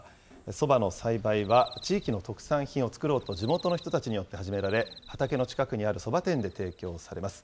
そばの栽培は、地域の特産品を作ろうと地元の人たちによって始められ、畑の近くにあるそば店で提供されます。